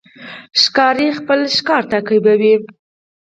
ښکاري خپل ښکار تعقیبوي.